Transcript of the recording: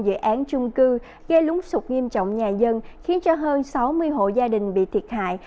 dự án chung cư gây lúng sụp nghiêm trọng nhà dân khiến cho hơn sáu mươi hộ gia đình bị thiệt hại